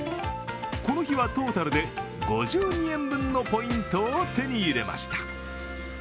この日は、トータルで５２円分のポイントを手に入れました。